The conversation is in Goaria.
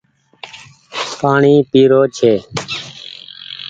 پآڻيٚ پي رو ڇي۔